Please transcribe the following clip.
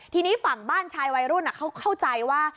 ทีนี้ฝั่งบ้านชายวัยรุ่นเขาเข้าใจว่า